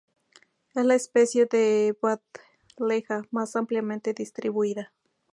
Es la especie de "Buddleja" más ampliamente distribuida.